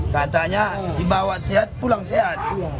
katanya dibawa sehat pulang sehat